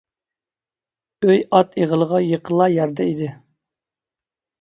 ئۆي ئات ئېغىلىغا يېقىنلا يەردە ئىدى.